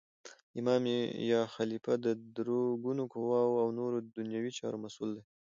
امام یا خلیفه د درو ګونو قوواو او نور دنیوي چارو مسول دی.